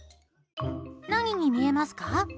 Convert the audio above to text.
何に見えますか？